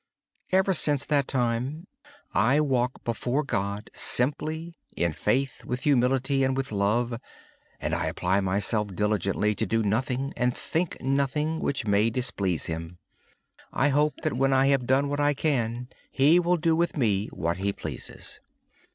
Ever since that time I walk before God simply, in faith, with humility, and with love. I apply myself diligently to do nothing and think nothing which may displease Him. I hope that when I have done what I can, He will do with me what He pleases.